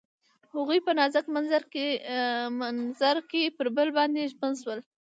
هغوی په نازک منظر کې پر بل باندې ژمن شول.